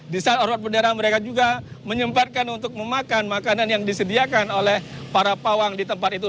di saat orang bendera mereka juga menyempatkan untuk memakan makanan yang disediakan oleh para pawang di tempat itu